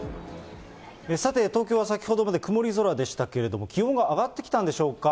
さて、東京は先ほどまで曇り空でしたけれども、気温が上がってきたんでしょうか。